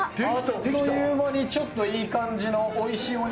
あっという間にちょっといい感じのおいしいお肉。